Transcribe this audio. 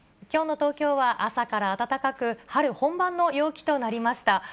きょうの東京は朝から暖かく、春本番の陽気となりました。